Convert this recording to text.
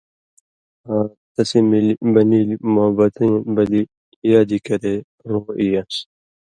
آں تَسی مِلیۡ بَنِیلیۡ مُوحبَتِں بَلی یادِی کَرے رُوں اِی یان٘س،